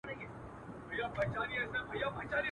چي یو ځل مي په لحد کي زړګی ښاد کي.